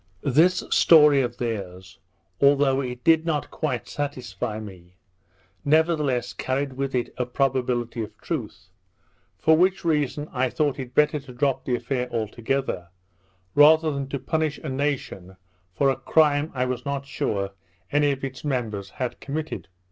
This story of theirs, although it did not quite satisfy me, nevertheless carried with it a probability of truth; for which reason I thought it better to drop the affair altogether, rather than to punish a nation for a crime I was not sure any of its members had committed.